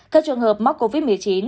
các trường hợp mắc covid một mươi chín